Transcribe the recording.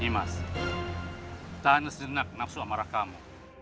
nimas tahanlah sejenak nafsu amarah kamu